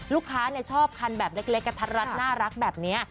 ชอบคันแบบเล็กกระทัดรัดน่ารักแบบนี้